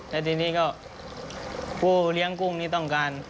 แล้วทีนี้ก็ผู้เลี้ยงกุ้งนี้ต้องการ